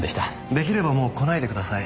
出来ればもう来ないでください。